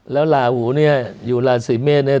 แล้วลาหูเนี่ยอยู่ราศีเมษเนี่ย